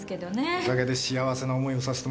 おかげで幸せな思いをさせてもらったよ。